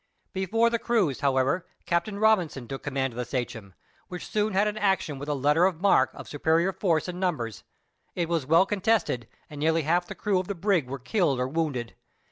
Before the cruise, however, Captain Robinson took command of the Sachem, which soon had an action with a letter of marque of superior force and numbers. It was well contested, and nearly half the crew of the brig were killed or wounded.